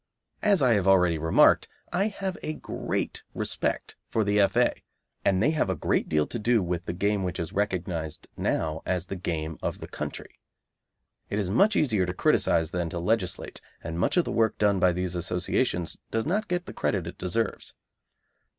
As I have already remarked, I have a great respect for the F.A., and they have a great deal to do with the game which is recognised now as the game of the country. It is much easier to criticise than to legislate, and much of the work done by these associations does not get the credit it deserves.